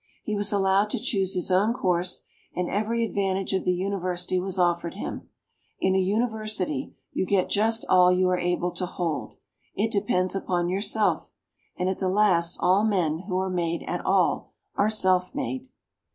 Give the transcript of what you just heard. He was allowed to choose his own course, and every advantage of the university was offered him. In a university, you get just all you are able to hold it depends upon yourself and at the last all men who are made at all are self made.